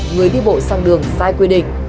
người đi bộ sang đường sai quy định